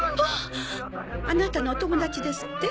あなたのお友達ですって？